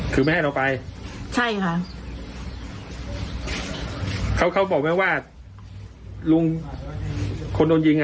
คือไม่ให้เราไปใช่ค่ะเขาเขาบอกไหมว่าลุงคนโดนยิงอ่ะ